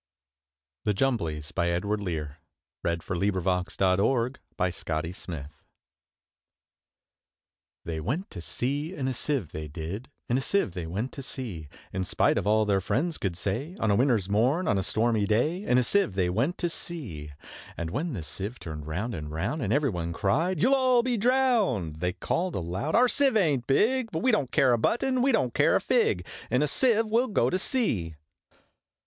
n, The moon! They danced by the light of the moon. Edward Lear The Jumblies THEY went to sea in a Sieve, they did, In a Sieve they went to sea: In spite of all their friends could say, On a winter's morn, on a stormy day, In a Sieve they went to sea! And when the Sieve turned round and round, And every one cried, `You'll all be drowned!' They called aloud, `Our Sieve ain't big, But we don't care a button! we don't care a fig! In a Sieve we'll go to sea!'